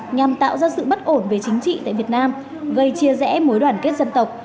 nhằm tạo ra sự bất ổn về chính trị tại việt nam gây chia rẽ mối đoàn kết dân tộc